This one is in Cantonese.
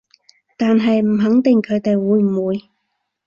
但係唔肯定佢哋會唔會